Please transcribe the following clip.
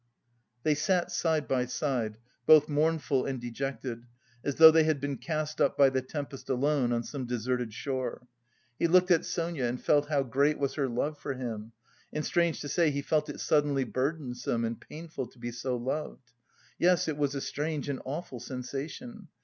They sat side by side, both mournful and dejected, as though they had been cast up by the tempest alone on some deserted shore. He looked at Sonia and felt how great was her love for him, and strange to say he felt it suddenly burdensome and painful to be so loved. Yes, it was a strange and awful sensation!